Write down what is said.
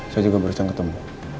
saya juga baru saja ketemu